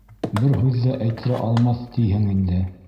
Бер һүҙ ҙә әйттерә алмаҫ, тиһең инде.